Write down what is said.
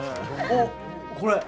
おっこれ。